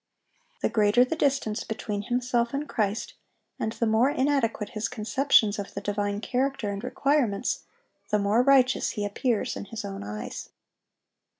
The greater the distance between himself and Christ, and the more inadequate his conceptions of the divine character and requirements, the more righteous he appears in his own eyes.